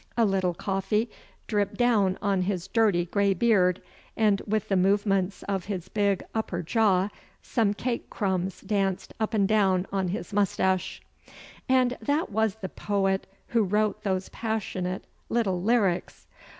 A little coffee dripped down on his dirty grey beard and with the movements of his big upper jaw some cake crumbs danced up and down on his moustache. And that was the poet who wrote those passionate little lyrics!